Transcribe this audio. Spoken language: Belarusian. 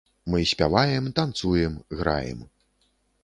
Мы спяваем, танцуем, граем.